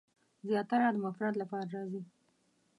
زیاتره د مفرد لپاره راځي.